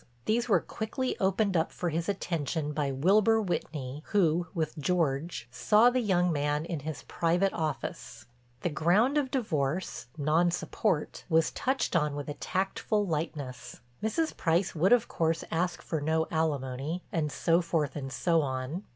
These were quickly opened up for his attention by Wilbur Whitney, who, with George, saw the young man in his private office. The ground of divorce—non support—was touched on with a tactful lightness. Mrs. Price would of course ask for no alimony and so forth and so on.